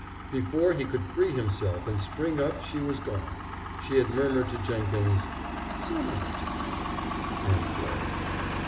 Before he could free himself and spring up she was gone. She had murmured to Jenkins: "Some other time," and fled.